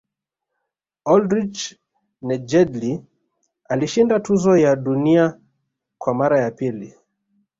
oldrich nejedly alishinda tuzo ya dunia kwa mara ya pili